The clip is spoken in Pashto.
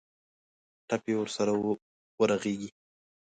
ټپ یې ورسره ورغېږي.